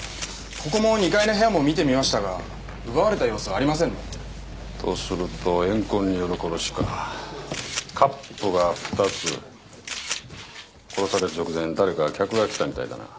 ここも２階の部屋も見てみましたが奪われた様子はありませんねとすると怨恨による殺しかカップが２つ殺される直前誰か客が来たみたいだな